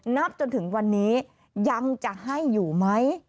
นับจนถึงวันนี้ยังจะให้อยู่ไหม